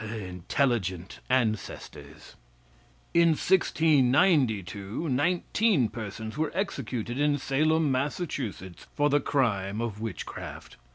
Intelligent ancestors! In 1692 nineteen persons were executed in Salem, Massachusetts, for the crime of witchcraft.